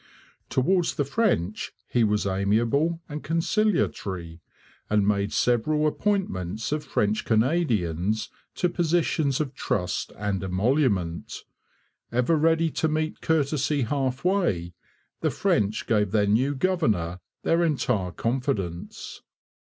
Towards the French he was amiable and conciliatory and made several appointments of French Canadians to positions of trust and emolument. Ever ready to meet courtesy half way, the French gave their new governor their entire confidence.